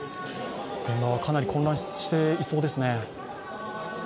かなり混乱していそうですね。